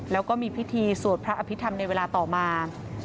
แล้วก็มีพิธีสวดพระอภิษฐรรมในเวลาต่อมา